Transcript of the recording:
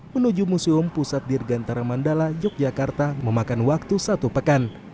menuju museum pusat dirgantara mandala yogyakarta memakan waktu satu pekan